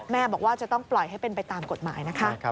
บอกว่าจะต้องปล่อยให้เป็นไปตามกฎหมายนะคะ